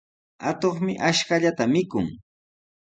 Atuqmi ashkallata mikun.